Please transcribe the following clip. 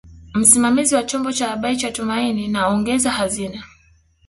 Msimamizi wa chombo cha habari cha Tumaini na ongeza hazina